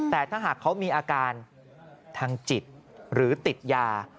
แต่ถ้าหากเขามีอาการทางจิตหรือติดยา